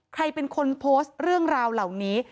ใครเป็นคนโพสต์เรื่องราวเหล่านี้